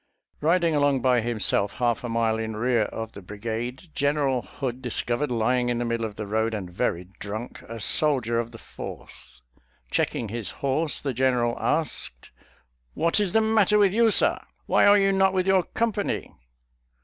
Riding along by himself, half a mile in rear of the brigade, General Hood discbvered, lying in the middle of the road and very drunk, a soldier of the Fourth. Checking his horse, the General asked, " What is the matter with you, sir.!" WTiy are you not with your company?